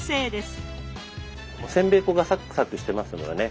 せんべい粉がサクサクしてますのでね